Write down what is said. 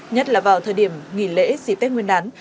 nhất là vào thời điểm nghỉ lễ dịp tết nguyên đán